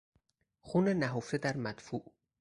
خون نهفته در مدفوع